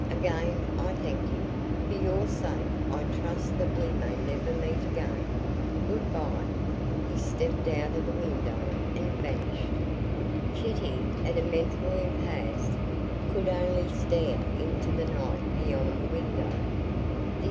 Again I thank you. For your own sake I trust that we may never meet again. Good bye." He stepped out of the window and vanished. Kitty, at a mental impasse, could only stare into the night beyond the window.